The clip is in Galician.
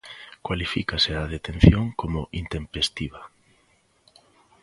Cualifícase a detención como intempestiva.